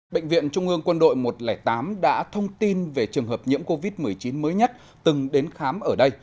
bệnh viện trung ương quân đội một trăm linh tám đã thông tin về trường hợp nhiễm covid một mươi chín mới nhất từng đến khám ở đây